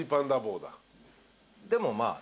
でもまあ。